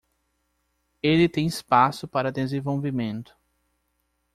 Ele tem espaço para desenvolvimento